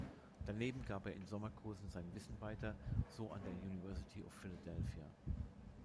Daneben gab er in Sommerkursen sein Wissen weiter, so an der University of Philadelphia.